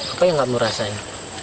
apa yang kamu rasain